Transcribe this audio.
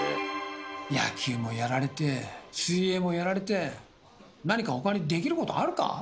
野球もやられて水泳もやられて何か他にできることあるか？